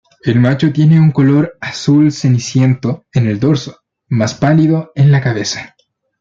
El macho tiene un color azul-ceniciento en el dorso, más pálido en la cabeza.